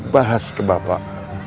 bahas ke bapak